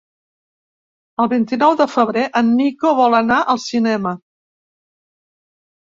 El vint-i-nou de febrer en Nico vol anar al cinema.